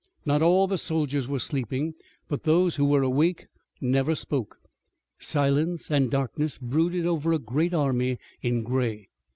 Not all the soldiers were sleeping, but those who were awake never spoke. Silence and darkness brooded over a great army in gray.